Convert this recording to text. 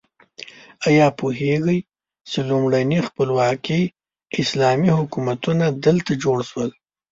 ایا پوهیږئ چې لومړني خپلواکي اسلامي حکومتونه دلته جوړ شول؟